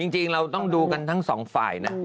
จริงเราต้องดูกันทั้งสองฝ่ายนะ